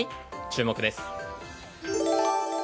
注目です。